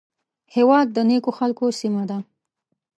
هېواد د نیکو خلکو سیمه ده